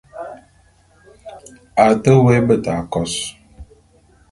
A te woé beta kôs.